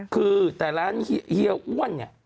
คือแต่ร้านเฮียอ้วน